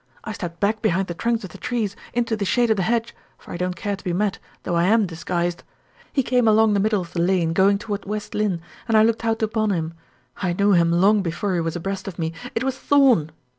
I stepped back behind the trunks of the trees, into the shade of the hedge, for I don't care to be met, though I am disguised. He came along the middle of the lane, going toward West Lynne, and I looked out upon him. I knew him long before he was abreast of me; it was Thorn."